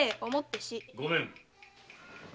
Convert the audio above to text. ・ごめん！